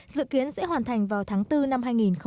dự kiến sẽ hoàn thành vào tháng bốn năm hai nghìn một mươi bảy